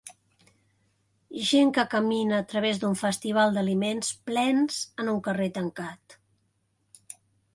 Gent que camina a través d'un Festival d'aliments plens en un carrer tancat